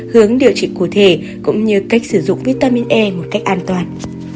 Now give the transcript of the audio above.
hướng điều trị cụ thể cũng như cách sử dụng vitamin e một cách an toàn